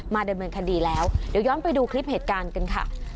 ดำเนินคดีแล้วเดี๋ยวย้อนไปดูคลิปเหตุการณ์กันค่ะ